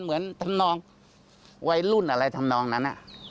เหมือนทำนองวัยรุ่นอะไรทำนองนั้น